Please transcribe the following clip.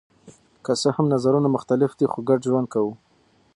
که څه هم نظرونه مختلف دي خو ګډ ژوند کوو.